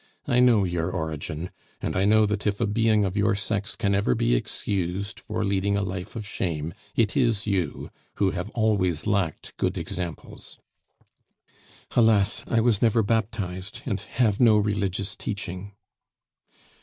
"I know your origin, and I know that if a being of your sex can ever be excused for leading a life of shame, it is you, who have always lacked good examples." "Alas! I was never baptized, and have no religious teaching."